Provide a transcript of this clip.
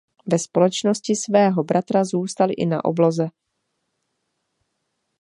Ve společnosti svého bratra zůstal i na obloze.